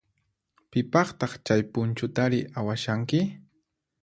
Pipaqtaq chay punchutari awashanki?